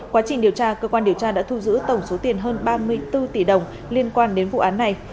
quá trình điều tra cơ quan điều tra đã thu giữ tổng số tiền hơn ba mươi bốn tỷ đồng liên quan đến vụ án này